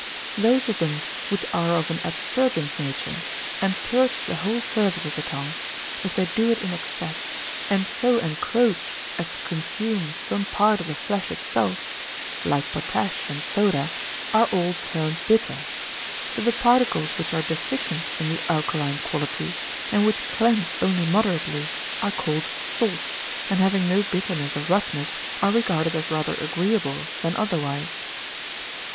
Those of them which are of an abstergent nature, and purge the whole surface of the tongue, if they do it in excess, and so encroach as to consume some part of the flesh itself, like potash and soda, are all termed bitter. But the particles which are deficient in the alkaline quality, and which cleanse only moderately, are called salt, and having no bitterness or roughness, are regarded as rather agreeable than otherwise.